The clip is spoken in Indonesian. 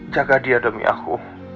jaga dia demi aku